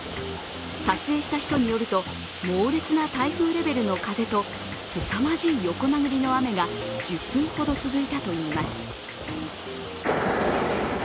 撮影した人によると、猛烈な台風レベルの風とすさまじい横殴りの雨が１０分ほど続いたといいます。